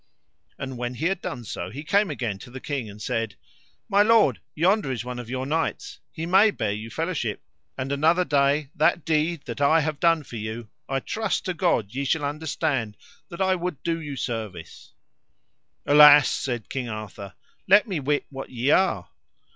And when he had done so he came again to the king and said: My lord, yonder is one of your knights, he may bare you fellowship, and another day that deed that I have done for you I trust to God ye shall understand that I would do you service. Alas, said King Arthur, let me wit what ye are?